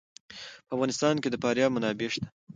په افغانستان کې د فاریاب منابع شته.